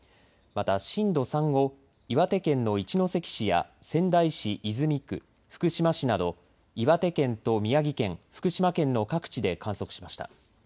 また震度３を岩手県の一関市や仙台市泉区、福島市など岩手県と宮城県、福島県の各地で観測しました。